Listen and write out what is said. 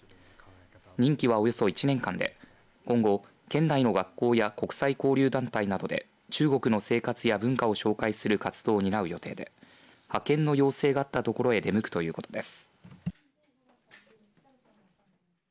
任期はおよそ１年間で、今後県内の学校や国際交流団体などで中国の生活や文化を紹介する活動を担う予定で派遣の要請があった所に出向くということです。